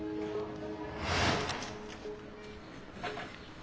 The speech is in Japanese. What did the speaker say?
あ。